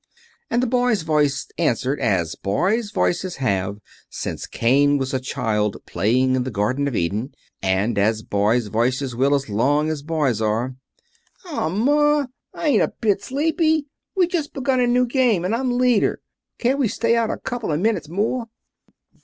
And a boy's voice answered, as boys' voices have since Cain was a child playing in the Garden of Eden, and as boys' voices will as long as boys are: "Aw, ma, I ain't a bit sleepy. We just begun a new game, an' I'm leader. Can't we just stay out a couple of minutes more?"